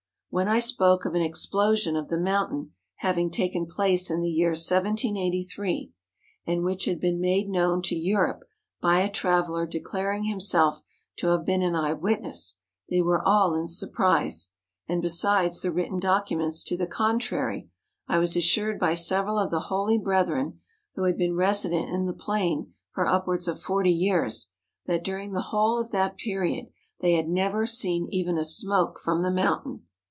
When I spoke of an ex¬ plosion of the mountain having taken place in the year 1783, and which had been made known to Europe by a traveller declaring himself to have been an eye witness, they were all in surprise; and, besides the written documents to the contrar}^, I was assured by several of the holy brethren, who had been resident in the plain for upwards of forty years, that during the whole of that period they had never seen even a smoke from the mountain.